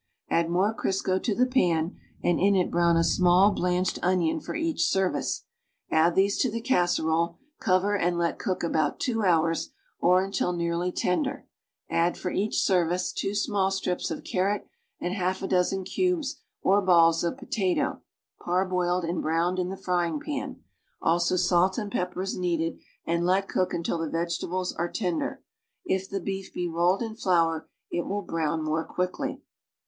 .\dd more C'riseo to the pan and in it brown a small blanched onion for each service; add these to the casserole, cover and let cook about two hours or until nearly tender; adil, for each serxice, two small strips of carrot and half a dozen cubes or balls of potato, parboiled and browned in the frying pan, also salt and pepper as needeil, anil let cook imtil the \'egeta bles are tender. If the beef be rolled in tlour, it will brown more quickly.